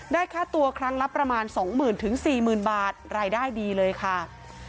ค่าตัวครั้งละประมาณ๒๐๐๐๔๐๐๐บาทรายได้ดีเลยค่ะ